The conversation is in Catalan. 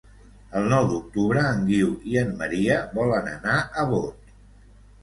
El nou d'octubre en Guiu i en Maria volen anar a Bot.